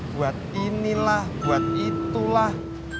buat inilah buat itulah